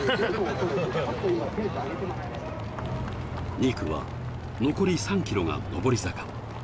２区は残り３ｋｍが上り坂。